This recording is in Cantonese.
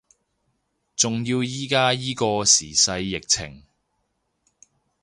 仲要依家依個時勢疫情